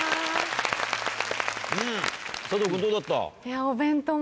うん佐藤君どうだった？